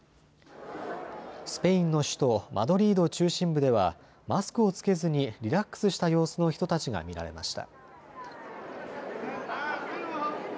スペインの首都マドリード中心部ではマスクを着けずにリラックスした様子の人たちが見られました。